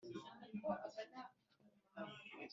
ko kugarura amahoro mu rwanda no mu karere kose